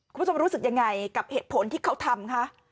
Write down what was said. คุณผู้ชมรู้สึกยังไงกับเหตุผลที่เขาทำคะ